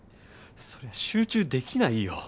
そりゃ集中できないよ。